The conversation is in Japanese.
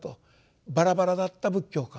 バラバラだった仏教観